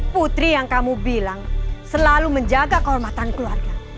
putri yang kamu bilang selalu menjaga kehormatan keluarga